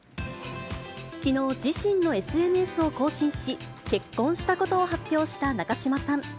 きのう、自身のＳＮＳを更新し、結婚したことを発表した中島さん。